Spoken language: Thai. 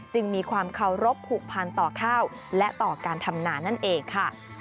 มีความเคารพผูกพันต่อข้าวและต่อการทำนานั่นเองค่ะ